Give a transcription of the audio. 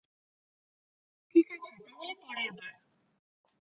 ঠিকাছে, তাহলে পরেরবার!